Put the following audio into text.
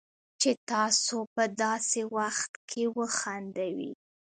چې تاسو په داسې وخت کې وخندوي